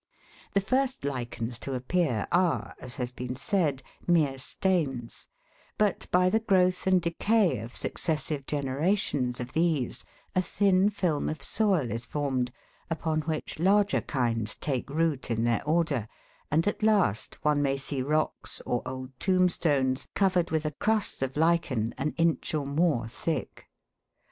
The first lichens to appear are, as has been said, mere stains ; but, by the growth and decay of successive genera tions of these, a thin film of soil is formed, upon which larger kinds take root in their order, and at last one may see rocks, or old tombstones, covered with a crust of lichen an inch or more thick.